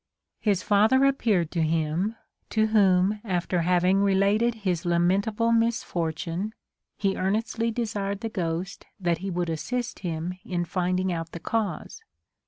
His father appeared to him, to whom after having related his lamentable mis fortune, he earnestly desired the ghost that he would assist him in finding out the cause.